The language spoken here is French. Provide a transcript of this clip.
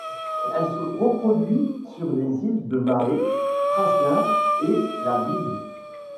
Elle se reproduit sur les îles de Mahé, Praslin et La Digue.